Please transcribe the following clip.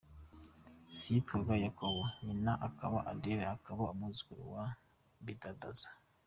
Se yitwaga Yakobo, nyina akaba Adela, akaba umwuzukuru wa Bidadaza.